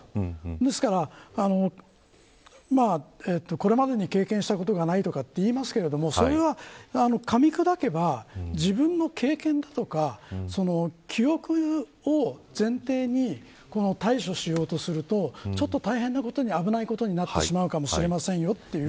ですからこれまでに経験したことがないとか言いますがそれは、かみくだけば自分の経験だとか記憶を前提に対処しようとするとちょっと大変なことに危ないことになってしまうかもしれませんよという。